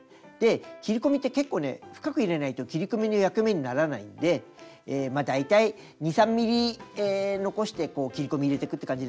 切り込みって結構ね深く入れないと切り込みの役目にならないんで大体２３ｍｍ残して切り込み入れてくって感じです。